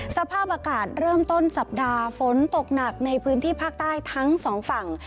สภาพอากาศเริ่มต้นสัปดาห์ฝนตกหนักในพื้นที่ภาคใต้ทั้งสองฝั่ง